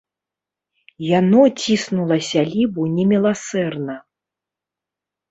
Яно ціснула сялібу неміласэрна.